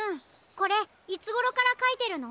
これいつごろからかいてるの？